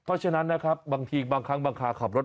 เพราะฉะนั้นนะครับบางทีบางครั้งบางคาขับรถ